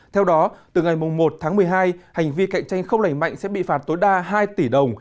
theo đó từ ngày một tháng một mươi hai hành vi cạnh tranh không lành mạnh sẽ bị phạt tối đa hai tỷ đồng